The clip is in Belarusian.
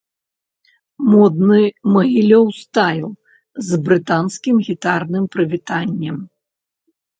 Модны магілёў-стайл з брытанскім гітарным прывітаннем!